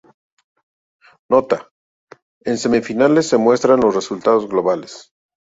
Nota: En semifinales se muestran los resultados globales.